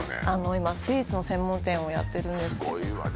今スイーツの専門店をやってるんですすごいわね